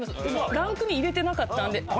でもランクに入れてなかったんで。